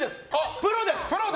プロです。